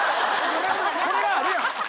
これがあるやん！